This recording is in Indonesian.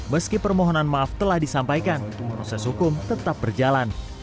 meski permohonan maaf telah disampaikan proses hukum tetap berjalan